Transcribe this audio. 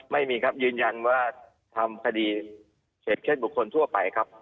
ไม่มีครับยืนยันว่าทำคดีเสร็จแค่บุคคลทั่วไปครับ